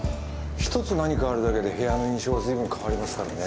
１つ何かあるだけで部屋の印象はずいぶん変わりますからね。